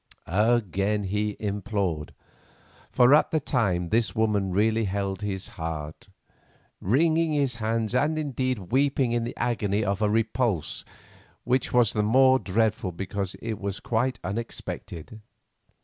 Again he implored,—for at the time this woman really held his heart,—wringing his hands, and, indeed, weeping in the agony of a repulse which was the more dreadful because it was quite unexpected.